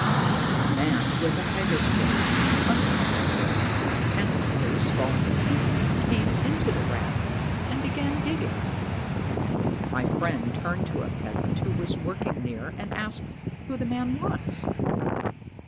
A man with a haggard face and unkempt hair, and clothes falling in pieces, came into the rath and began digging. My friend turned to a peasant who was work ing near and asked who the man was.